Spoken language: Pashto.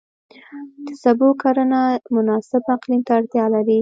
د سبو کرنه مناسب اقلیم ته اړتیا لري.